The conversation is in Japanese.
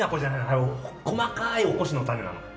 あれ細かいおこしの種なの。